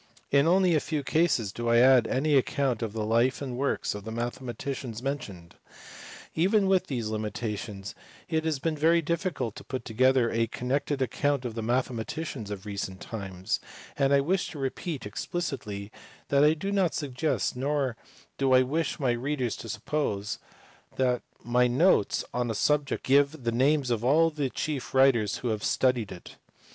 In only a few cases do I add any account of the life and works of the mathematicians men tioned. Even with these limitations it has been very difficult to put together a connected account of the mathematics of recent times ; and I wish to repeat explicitly that I do not suggest, nor do I wish my readers to suppose, that my notes on a subject give the names of all the chief writers who have studied it.